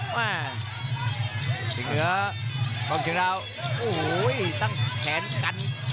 มาชิงเหนือกองเชียงดาวโอ้โหตั้งแขนกัน